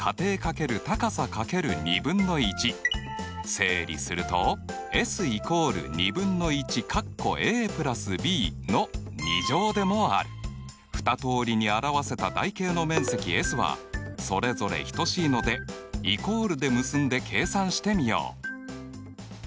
整理すると２通りに表せた台形の面積Ｓはそれぞれ等しいのでイコールで結んで計算してみよう。